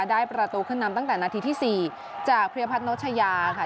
ได้ประตูขึ้นนำตั้งแต่นาทีที่๔จากเพรียพัฒนชายาค่ะ